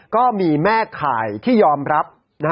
ก็มีแม่ข่ายที่ยอมรับ